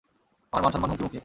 আমার মানসম্মান হুমকির মুখে!